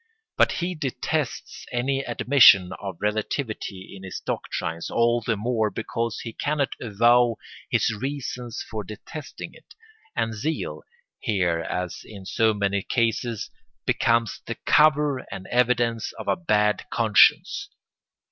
But he detests any admission of relativity in his doctrines, all the more because he cannot avow his reasons for detesting it; and zeal, here as in so many cases, becomes the cover and evidence of a bad conscience.